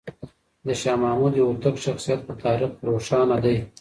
د شاه محمود هوتک شخصیت په تاریخ کې روښانه دی.